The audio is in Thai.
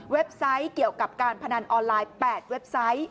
ไซต์เกี่ยวกับการพนันออนไลน์๘เว็บไซต์